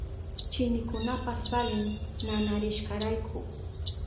Chinikunapas valin nanarishkarayku.